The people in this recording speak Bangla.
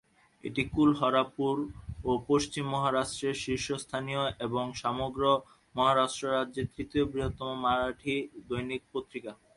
এটি কোলহাপুর এবং পশ্চিম মহারাষ্ট্রের শীর্ষস্থানীয় এবং সমগ্র মহারাষ্ট্র রাজ্যের তৃতীয় বৃহত্তম মারাঠি দৈনিক পত্রিকা।